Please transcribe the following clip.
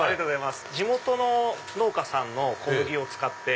地元の農家さんの小麦を使って。